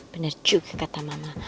bener juga kata mama